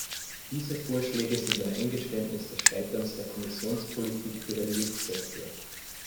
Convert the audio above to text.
Diese Vorschläge sind ein Eingeständnis des Scheiterns der Kommissionspolitik für den Milchsektor.